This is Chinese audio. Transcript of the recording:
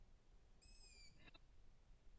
第二次御家骚动一样有铃木正雄参与。